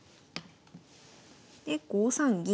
で５三銀。